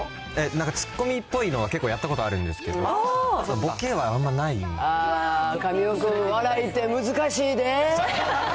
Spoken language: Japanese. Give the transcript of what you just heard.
なんかツッコミっぽいのは結構やったことあるんですけど、ボケはあんまりないんで。